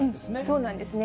そうなんですね。